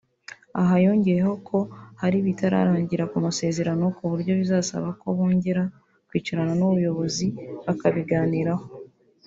Aha yongeyeho ko hari ibitararangira ku masezerano ku buryo bizasaba ko bongera kwicarana Nubyobozi bakabiganiraho